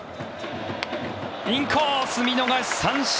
インコース、見逃し三振！